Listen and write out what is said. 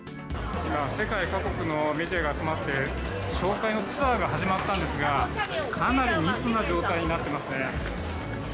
今、世界各国のメディアが集まって、紹介のツアーが始まったんですが、かなり密な状態になってますね。